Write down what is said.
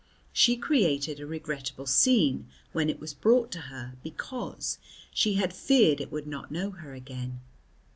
She created a regrettable scene when it was brought to her, because "she had been feared it would not know her again."